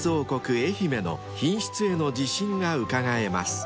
愛媛の品質への自信がうかがえます］